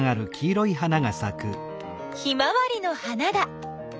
ヒマワリの花だ。